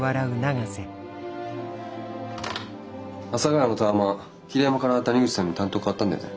阿佐ヶ谷のタワマン桐山から谷口さんに担当替わったんだよね？